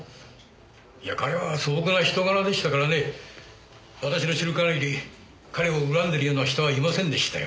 いや彼は素朴な人柄でしたからね私の知る限り彼を恨んでるような人はいませんでしたよ。